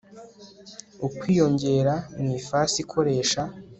ukwiyongera mu ifasi ikoresha